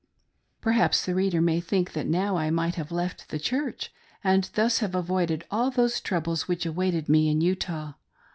Perhaps the reader may think that now I might have left the Church, and thus have avoided all those troubles which awaited me in Utah.